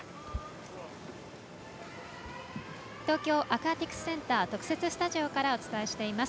東京アクアティクスセンター特設スタジオからお伝えしています。